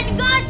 jangan lupa ya